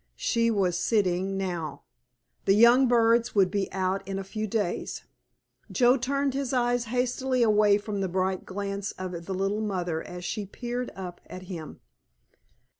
She was sitting now. The young birds would be out in a few days. Joe turned his eyes hastily away from the bright glance of the little mother as she peered up at him.